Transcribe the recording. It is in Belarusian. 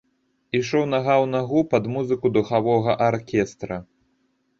Ішоў нага ў нагу пад музыку духавога аркестра.